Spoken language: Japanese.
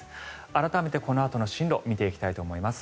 改めてこのあとの進路見ていきたいと思います。